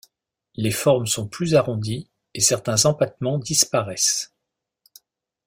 Les formes sont plus arrondies et certains empattements disparaissent.